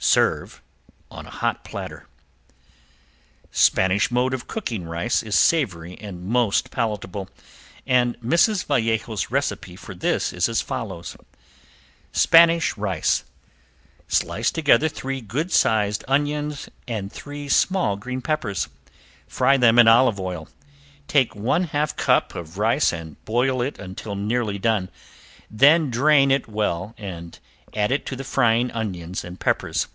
Serve on hot platter. Spanish mode of cooking rice is savory and most palatable, and Mrs. Vallejo's recipe for this is as follows: Spanish Rice Slice together three good sized onions and three small green peppers. Fry them in olive oil. Take one half cup of rice and boil it until nearly done, then drain it well and add it to the frying onions and peppers.